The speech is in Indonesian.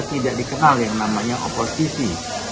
tidak dikenal yang namanya oposisi